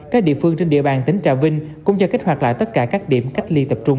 các địa phương trên địa bàn tỉnh trà vinh cũng cho kích hoạt lại tất cả các điểm cách ly tập trung